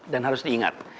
dan harus diingat